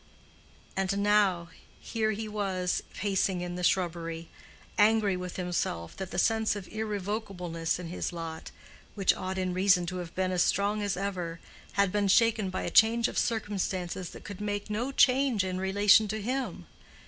And now, here he was pacing the shrubbery, angry with himself that the sense of irrevocableness in his lot, which ought in reason to have been as strong as ever, had been shaken by a change of circumstances that could make no change in relation to him.